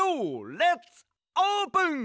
レッツオープン！